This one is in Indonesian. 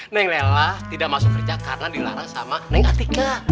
neng lela tidak masuk kerja karena dilarang sama neng atika